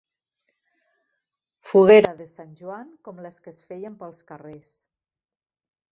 Foguera de sant Joan com les que es feien pels carrers.